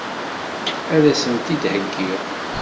Ad as-tent-id-heggiɣ?